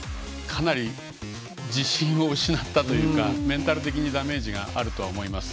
かなり自信を失ったというかメンタル的にダメージがあると思います。